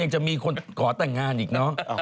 จะมีคนขอแต่งงานอีกเนอะ